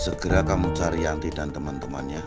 segera kamu cari yanti dan teman temannya